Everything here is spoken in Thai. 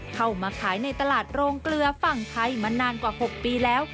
เข้ามาขายในตลาดโรงเกลือฝั่งไทยมานานกว่า๖ปีแล้ว